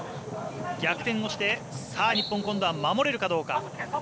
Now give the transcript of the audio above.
逆転をして日本今度は守れるかどうか。